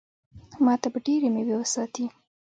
ما ته به ډېرې مېوې وساتي.